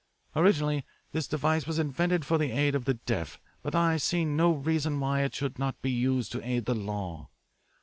Originally this device was invented for the aid of the deaf, but I see no reason why it should not be used to aid the law.